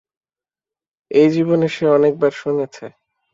এই জীবনে সে অনেক বার শুনেছে।